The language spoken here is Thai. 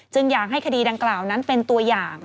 อยากให้คดีดังกล่าวนั้นเป็นตัวอย่าง